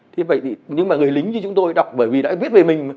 thế vậy thì nhưng mà người lính như chúng tôi đọc bởi vì đã viết về mình